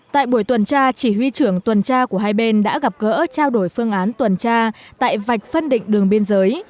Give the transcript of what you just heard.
tại buổi tuần tra chỉ huy trưởng tuần tra của hai bên đã gặp gỡ trao đổi phương án tuần tra tại vạch phân định đường biên giới